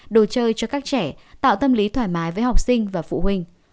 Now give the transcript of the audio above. đồ chơi cho các trẻ tạo tâm lý thoải mái với học sinh và phụ huynh